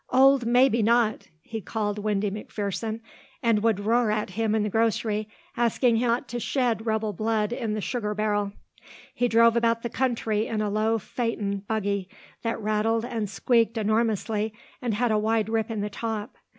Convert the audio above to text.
"Old Maybe Not" he called Windy McPherson and would roar at him in the grocery asking him not to shed rebel blood in the sugar barrel. He drove about the country in a low phaeton buggy that rattled and squeaked enormously and had a wide rip in the top.